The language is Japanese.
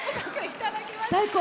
最高！